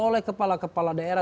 oleh kepala kepala daerah